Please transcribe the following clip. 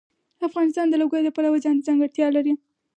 افغانستان د لوگر د پلوه ځانته ځانګړتیا لري.